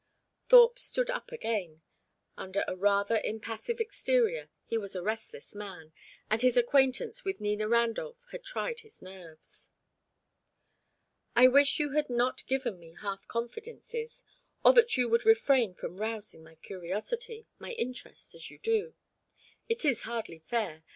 Thorpe stood up again. Under a rather impassive exterior, he was a restless man, and his acquaintance with Nina Randolph had tried his nerves. "I wish you had not given me half confidences, or that you would refrain from rousing my curiosity my interest, as you do. It is hardly fair.